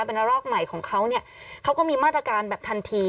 เป็นระลอกใหม่ของเขาเนี่ยเขาก็มีมาตรการแบบทันที